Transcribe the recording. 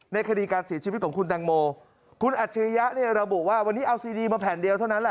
คดีการเสียชีวิตของคุณแตงโมคุณอัจฉริยะเนี่ยระบุว่าวันนี้เอาซีดีมาแผ่นเดียวเท่านั้นแหละ